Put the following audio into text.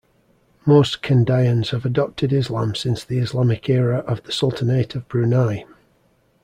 Most Kedayans have adopted Islam since the Islamic era of the Sultanate of Brunei.